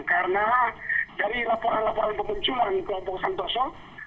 karena dari laporan laporan pemunculan kelompok santoso